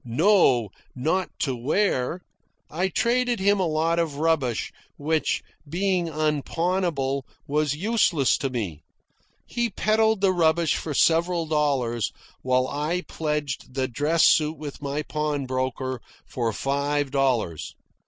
No; not to wear. I traded him a lot of rubbish which, being unpawnable, was useless to me. He peddled the rubbish for several dollars, while I pledged the dress suit with my pawnbroker for five dollars.